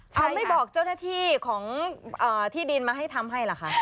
เขาไม่บอกเจ้าหน้าที่ของที่ดินมาให้ทำให้ล่ะคะ